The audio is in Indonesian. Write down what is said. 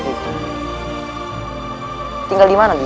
raka ibu kemuni